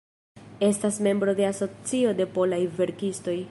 Estas membro de Asocio de Polaj Verkistoj.